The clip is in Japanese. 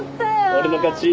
俺の勝ち！